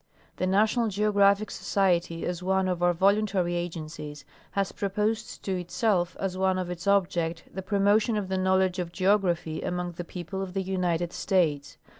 The National Geographic Society, as one of our voluntary agencies, has proposed to itself as one of its object the promo tion of the knowledge of geography among the people of the United States.